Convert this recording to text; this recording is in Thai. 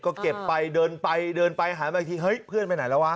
ก็เก็บไปเดินไปเดินไปหันมาอีกทีเฮ้ยเพื่อนไปไหนแล้ววะ